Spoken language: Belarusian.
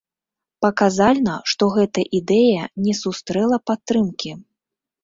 Паказальна, што гэта ідэя не сустрэла падтрымкі.